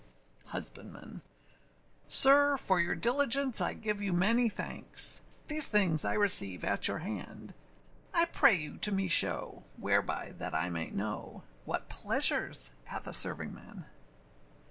HUSBANDMAN. Sir, for your diligence I give you many thanks, These things I receive at your hand; I pray you to me show, whereby that I might know, What pleasures hath a servingman?